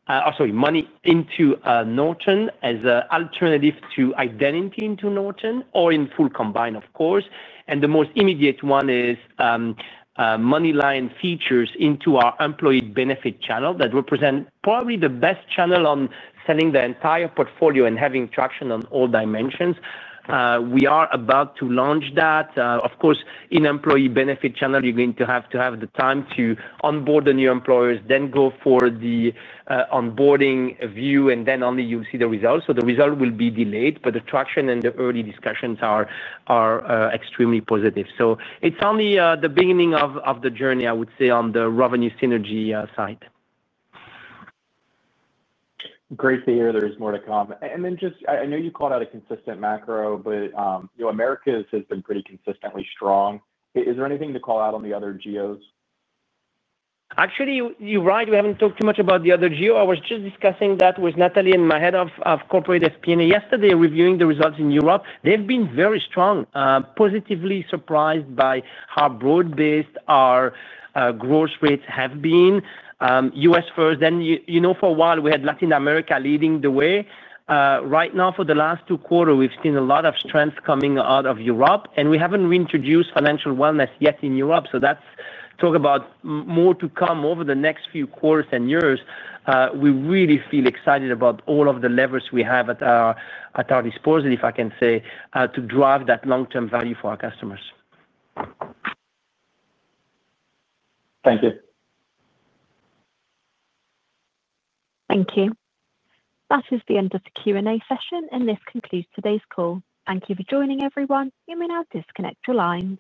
money—sorry, money into Norton as an alternative to identity into Norton or in full combine, of course. And the most immediate one is. MoneyLion features into our employee benefit channel that represents probably the best channel on selling the entire portfolio and having traction on all dimensions. We are about to launch that. Of course, in employee benefit channel, you're going to have to have the time to onboard the new employers, then go for the. Onboarding view, and then only you'll see the results. So the result will be delayed, but the traction and the early discussions are. Extremely positive. So it's only the beginning of the journey, I would say, on the revenue synergy side. Great to hear there is more to come. And then just I know you called out a consistent macro, but. America's has been pretty consistently strong. Is there anything to call out on the other GEOs? Actually, you're right. We haven't talked too much about the other GEO. I was just discussing that with Natalie and my head of corporate SP&A yesterday, reviewing the results in Europe. They've been very strong, positively surprised by how broad-based our growth rates have been. US first. Then for a while, we had Latin America leading the way. Right now, for the last two quarters, we've seen a lot of strength coming out of Europe. And we haven't reintroduced financial wellness yet in Europe. So that's talk about more to come over the next few quarters and years. We really feel excited about all of the levers we have at our disposal, if I can say, to drive that long-term value for our customers. Thank you. Thank you. That is the end of the Q&A session, and this concludes today's call. Thank you for joining, everyone. You may now disconnect your line.